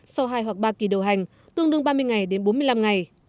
sau hai hoặc ba kỳ điều hành tương đương ba mươi ngày đến bốn mươi năm ngày